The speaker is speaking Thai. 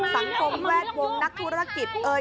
สังคมแวดวงนักธุรกิจเอ่ย